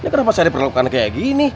kenapa saya diperlakukan kayak gini